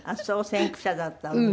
先駆者だったのね。